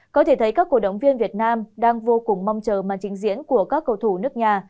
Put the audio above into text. có thể thấy các cổ động viên việt nam đang vô cùng mong chờ màn trình diễn của các cầu thủ nước nhà